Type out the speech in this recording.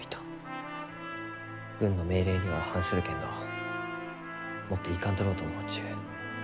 軍の命令には反するけんど持っていかんとろうと思うちゅう。